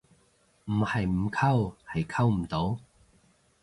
唔係唔溝，係溝唔到